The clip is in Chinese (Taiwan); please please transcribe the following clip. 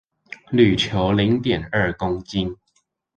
鋁球零點二公斤